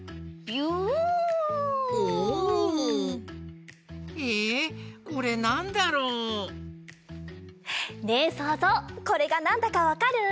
おお！えこれなんだろう？ねえそうぞうこれがなんだかわかる？